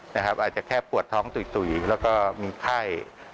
นะครับอาจจะแค่ปวดท้องตุ๋ยแล้วก็มีไพร